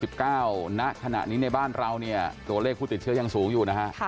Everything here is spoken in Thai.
ณขณะนี้ในบ้านเราเนี่ยตัวเลขผู้ติดเชื้อยังสูงอยู่นะฮะ